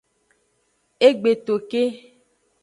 E gbe to ke.